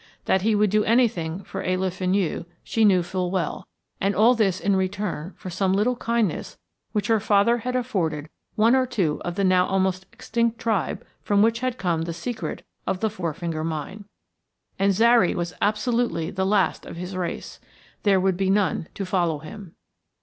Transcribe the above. That he would do anything for a Le Fenu she knew full well, and all this in return for some little kindness which her father had afforded one or two of the now almost extinct tribe from which had come the secret of the Four Finger Mine. And Zary was absolutely the last of his race. There would be none to follow him.